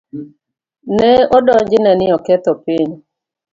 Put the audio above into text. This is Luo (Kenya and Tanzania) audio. Ne odonjne ni oketho piny.